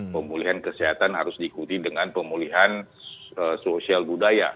pemulihan kesehatan harus diikuti dengan pemulihan sosial budaya